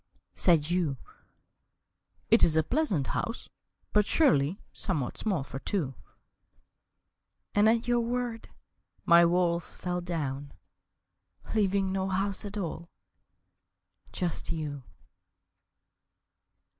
Said you: "It is a pleasant house, But surely somewhat small for two!" And at your word my walls fell down, Leaving no house at all, just you.